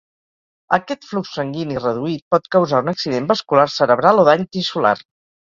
Aquest flux sanguini reduït pot causar un accident vascular cerebral o dany tissular.